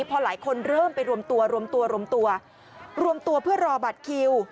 พอหลายคนเริ่มไปรวมตัวรวมตัวเพื่อรอบัตรคิว